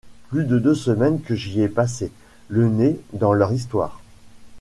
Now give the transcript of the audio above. Plus de deux semaines que j’y ai passé, le nez dans leur Histoire…